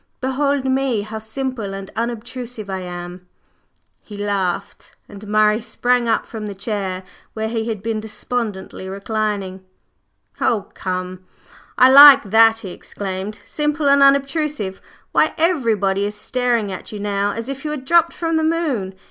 Behold me, how simple and unobtrusive I am!" He laughed, and Murray sprang up from the chair where he had been despondently reclining. "Oh, come, I like that!" he exclaimed. "Simple and unobtrusive! Why everybody is staring at you now as if you had dropped from the moon!